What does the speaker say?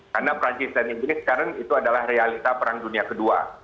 karena perancis dan inggris sekarang itu adalah realita perang dunia kedua